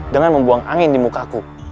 dengan membuang angin di mukaku